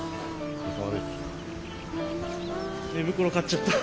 寝袋買っちゃった。